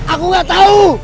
aku nggak tahu